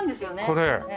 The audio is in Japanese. これ。